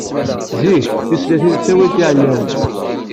Zik, tislatin ttawint iɛlawen.